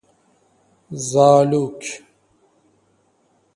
زالوک